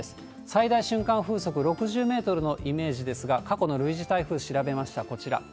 最大瞬間風速６０メートルのイメージですが、過去の類似台風調べました、こちら。